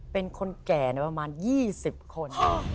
เป็นคนแก่ประมาณ๒๐คน